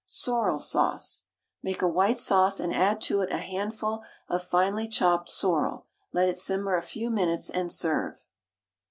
SORREL SAUCE. Make a white sauce, and add to it a handful of finely chopped sorrel; let it simmer a few minutes, and serve.